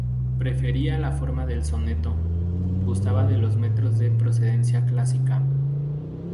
Prefería la forma del soneto, gustaba de los metros de procedencia clásica.